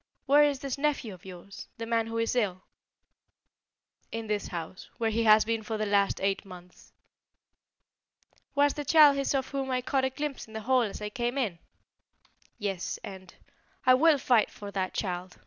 Where is this nephew of yours the man who is ill?" "In this house, where he has been for the last eight months." "Was the child his of whom I caught a glimpse in the hall as I came in?" "Yes, and " "I will fight for that child!"